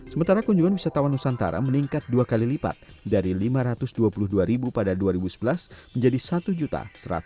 sementara kunjungan wisatawan nusantara meningkat dua kali lipat dari lima ratus dua puluh dua pada dua ribu sebelas menjadi satu satu ratus empat puluh sembilan pada dua ribu lima belas